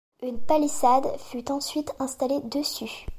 Une palissade fut ensuite installée dessus.